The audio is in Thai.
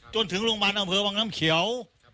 จนถึงโรงพยาบาลอำเภอวังน้ำเขียว